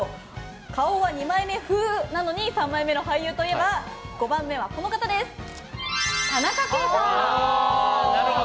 顔は二枚目風なのに三枚目の俳優といえば５番目は、田中圭さん。